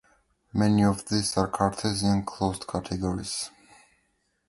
Many of these are Cartesian closed categories.